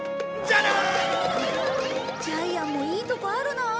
ジャイアンもいいとこあるなあ。